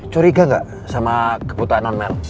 curiga gak sama kebutuhan non man